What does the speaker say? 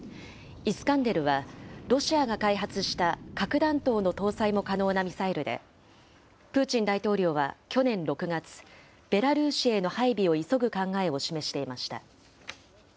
イスカンデルはロシアが開発した核弾頭の搭載も可能なミサイルで、プーチン大統領は去年６月、ベラルーシへの配備を急ぐ考えを示していました。